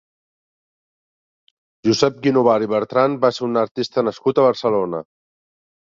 Josep Guinovart i Bertran va ser un artista nascut a Barcelona.